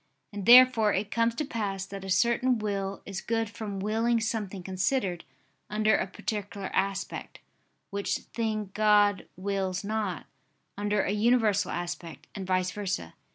And therefore it comes to pass that a certain will is good from willing something considered under a particular aspect, which thing God wills not, under a universal aspect, and vice versa.